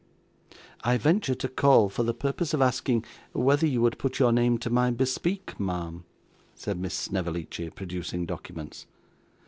'I venture to call, for the purpose of asking whether you would put your name to my bespeak, ma'am,' said Miss Snevellicci, producing documents.